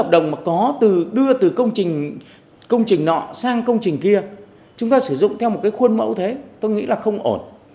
đang công trình kia chúng ta sử dụng theo một khuôn mẫu thế tôi nghĩ là không ổn